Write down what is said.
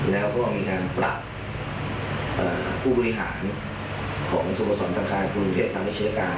แล้วก็มีการปรับผู้บริหารของสโมสรทางคลานกลุ่นเทพฯตามนิเชียรการ